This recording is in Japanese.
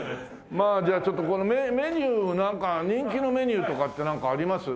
まあじゃあちょっとメニューをなんか人気のメニューとかってなんかあります？